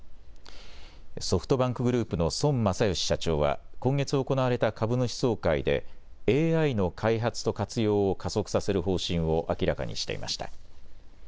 ソフトバンクグループの孫正義社長は今月行われた株主総会でＡＩの開発と活用を加速させる方針を明らかにしていました。